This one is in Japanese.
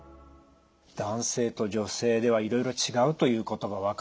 男性と女性ではいろいろ違うということが分かりました。